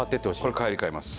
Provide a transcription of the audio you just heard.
これ帰り買います。